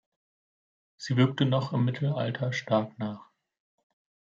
Sie wirkte noch im Mittelalter stark nach.